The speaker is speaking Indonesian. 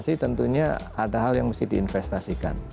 sih tentunya ada hal yang mesti diinvestasikan